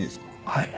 はい。